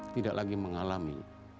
tidak lagi mengalami